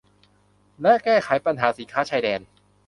และแก้ไขปัญหาสินค้าชายแดน